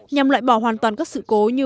nhằm lại bỏ hoàn toàn các sự cố như